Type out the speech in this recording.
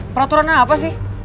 peraturan apa sih